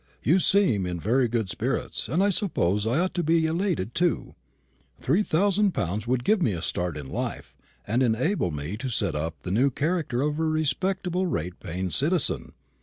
You seem in very good spirits; and I suppose I ought to be elated too. Three thousand pounds would give me a start in life, and enable me to set up in the new character of a respectable rate paying citizen.